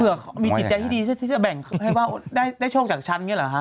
เผื่อเขามีกิจจัยที่ดีที่จะแบ่งให้ว่าได้โชคจากฉันอย่างนี้หรอคะ